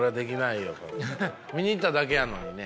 見に行っただけやのにね。